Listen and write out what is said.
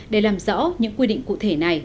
để làm rõ những quy định cụ thể này